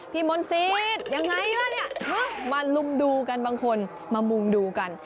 พี่มนต์สิทธิ์ยังไงล่ะเนี่ยมาลุมดูกันบางคนมามุ่งดูกัน